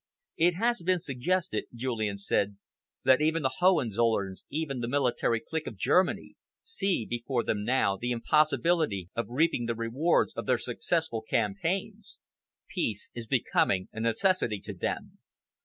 "It has been suggested," Julian said, "that even the Hohenzollerns, even the military clique of Germany, see before them now the impossibility of reaping the rewards of their successful campaigns. Peace is becoming a necessity to them.